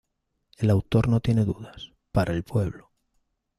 El autor no tiene dudas, para el pueblo.